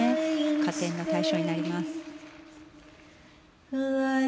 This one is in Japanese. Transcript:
加点の対象になります。